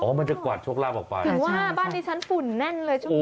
คือว่าบ้านนี้ฉันฝุ่นแน่นเลยช่วงนี้